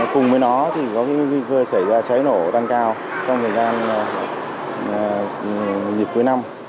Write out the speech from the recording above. cùng với nó thì có nguy cơ xảy ra cháy nổ tăng cao trong thời gian dịp cuối năm